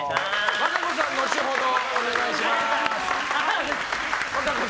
和歌子さん、後ほどお願いします。